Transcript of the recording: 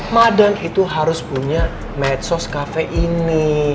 madem itu harus punya madsos kafe ini